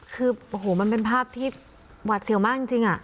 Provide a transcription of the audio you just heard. คือโอ้โหมันเป็นภาพที่หวาดเสียวมากจริง